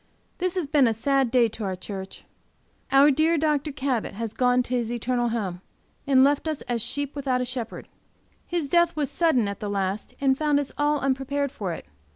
This has been a sad day to our church. Our dear Dr. Cabot has gone to his eternal home, and left us as sheep without a shepherd. His death was sudden at the last and found us all unprepared for it.